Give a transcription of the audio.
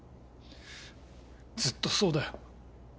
ずっとそうだよ。